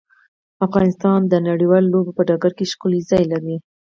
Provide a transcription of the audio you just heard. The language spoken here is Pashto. افغانستان د نړیوالو لوبو په ډګر کې ښکلی ځای لري.